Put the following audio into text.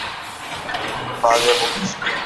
বাজে বকিস না।